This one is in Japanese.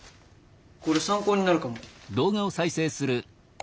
これ参考になるかも。